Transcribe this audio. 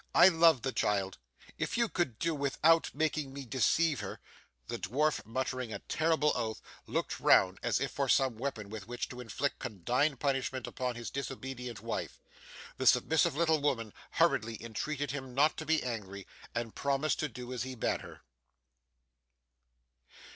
'I love the child if you could do without making me deceive her ' The dwarf muttering a terrible oath looked round as if for some weapon with which to inflict condign punishment upon his disobedient wife. The submissive little woman hurriedly entreated him not to be angry, and promised to do as he bade her.